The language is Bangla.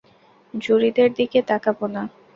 জুরিদের দিকে তাকাব না।